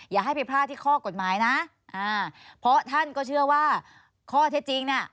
อย่าให้ไปพลาดที่ข้อกฎหมายนะอ่าเพราะท่านก็เชื่อว่าข้อเท็จจริงน่ะ